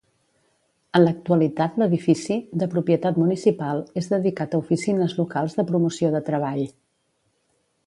En l'actualitat l'edifici, de propietat municipal, és dedicat a oficines locals de Promoció de Treball.